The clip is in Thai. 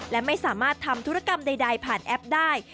และไม่สามารถทำธุรกรรมใดผ่านแอปได้